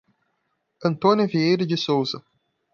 Antônia Vieira de Souza